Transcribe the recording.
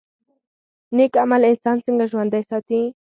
نیک عمل انسان څنګه ژوندی ساتي؟